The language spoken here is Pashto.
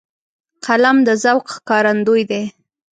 قلم د ذوق ښکارندوی دی